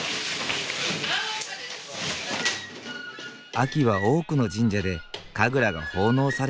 秋は多くの神社で神楽が奉納される季節。